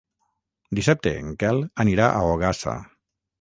Dissabte en Quel anirà a Ogassa.